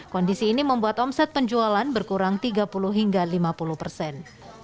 kondisi ini membuat omset penjualan berkurang tiga puluh hingga lima puluh persen